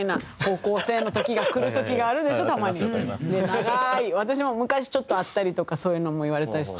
長い私も昔ちょっとあったりとかそういうのも言われたり。